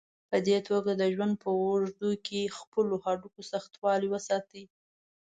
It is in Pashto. په دې توګه د ژوند په اوږدو کې خپلو هډوکو سختوالی وساتئ.